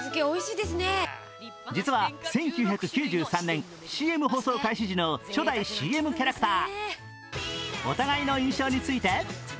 実は１９９３年、ＣＭ放送開始時の初代ＣＭキャラクター。